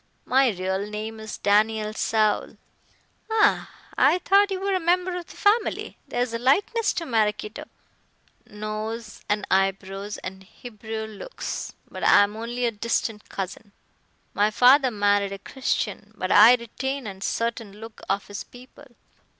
"My real name is Daniel Saul." "Ah! I thought you were a member of the family. There is a likeness to Maraquito " "Nose and eyebrows and Hebrew looks. But I am only a distant cousin. My father married a Christian, but I retain a certain look of his people.